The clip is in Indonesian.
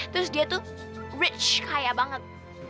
terus dia tuh rich kaya banget